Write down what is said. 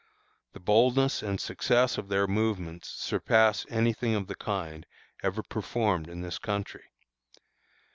The boldness and success of their movements surpass any thing of the kind ever performed in this country.